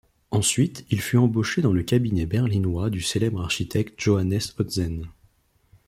Ensuite il fut embauché dans le cabinet berlinois du célèbre architecte Johannes Otzen.